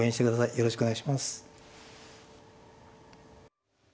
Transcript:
よろしくお願いします。